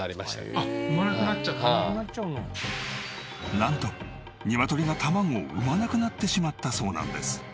なんとニワトリが卵を産まなくなってしまったそうなんです。